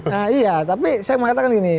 nah iya tapi saya mengatakan gini